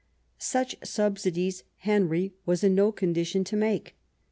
Such subsidies Henry was in no condition to make.